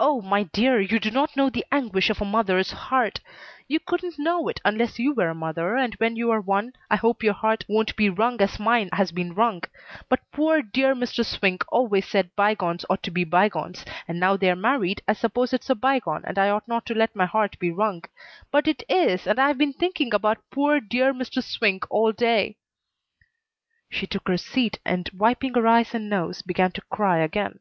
"Oh, my dear, you do not know the anguish of a mother's heart! You couldn't know it unless you were a mother, and when you are one I hope your heart won't be wrung as mine has been wrung! But poor, dear Mr. Swink always said bygones ought to be bygones, and now they're married I suppose it's a bygone and I ought not to let my heart be wrung; but it is, and I've been thinking about poor, dear Mr. Swink all day." She took her seat and, wiping her eyes and nose, began to cry again.